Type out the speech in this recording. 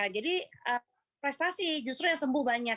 jadi prestasi justru yang sempuh banyak